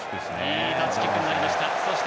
いいタッチキックになりました。